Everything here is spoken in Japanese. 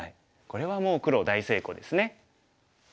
これはもう黒大成功ですね。